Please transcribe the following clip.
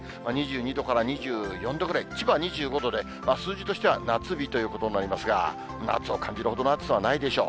２２度から２４度ぐらい、千葉は２５度で、数字としては夏日ということになりますが、夏を感じるほどの暑さはないでしょう。